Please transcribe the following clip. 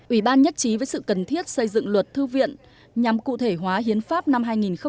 ủy ban nhất trí với sự cần thiết xây dựng luật thư viện nhằm cụ thể hóa hiến pháp năm hai nghìn một mươi ba